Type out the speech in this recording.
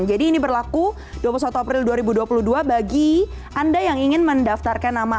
jadi ini berlaku dua puluh satu april dua ribu dua puluh dua bagi anda yang ingin mendaftarkan nama